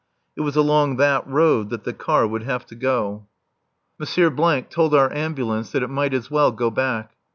It was along that road that the car would have to go. M. told our Ambulance that it might as well go back.